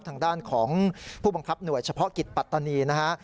ทางด้านของผู้บังคับหน่วยเฉพาะกิจปัตตานีนะฮะ